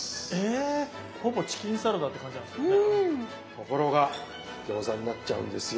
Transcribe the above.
ところが餃子になっちゃうんですよ。